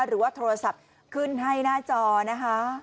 หรือว่าโทรศัพท์ขึ้นให้หน้าจอนะคะ